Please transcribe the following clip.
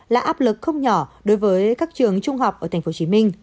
là áp lực không nhỏ đối với các trường trung học ở tp hcm